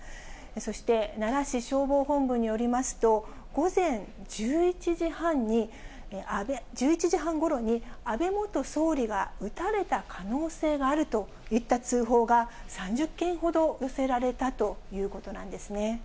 そして、奈良市消防本部によりますと、午前１１時半ごろに、安倍元総理が撃たれた可能性があるといった通報が３０件ほど寄せられたということなんですね。